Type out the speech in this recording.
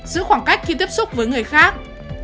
giữ khoảng cách khi tiếp xúc với người khác